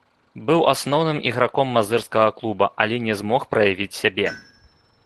Быў асноўным іграком мазырскага клуба, але не змог праявіць сябе.